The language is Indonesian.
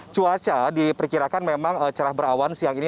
cuaca diperkirakan memang cerah berawan siang ini